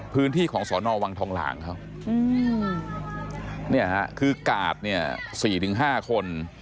พื้นที่ของสอนอวังทองหลางเขานี่คือกาด๔๕คน